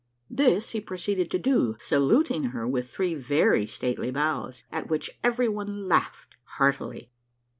This he proceeded to do, saluting her wdth three very stately bows, at which everybody laughed heartily.